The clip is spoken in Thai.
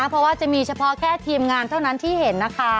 เพราะว่าจะมีเฉพาะแค่ทีมงานเท่านั้นที่เห็นนะคะ